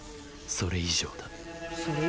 それ以上？